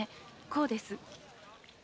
「こう」です。